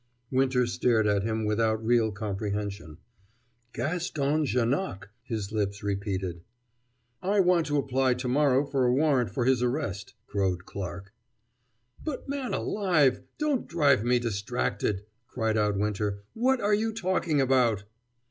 Winter stared at him without real comprehension. "Gaston Janoc!" his lips repeated. "I want to apply to morrow for a warrant for his arrest," crowed Clarke. "But, man alive! don't drive me distracted," cried out Winter; "what are you talking about?"